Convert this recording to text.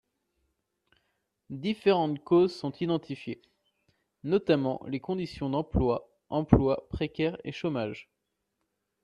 Différentes causes sont identifiées, notamment les conditions d’emploi, emploi précaire et chômage.